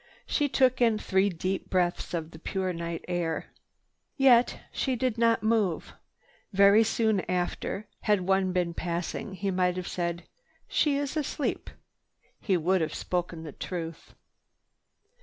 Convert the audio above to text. She took in three deep breaths of the pure night air, yet she did not move. Very soon after, had one been passing, he might have said, "She is asleep." He would have spoken the truth.